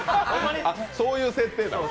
そういう設定なん？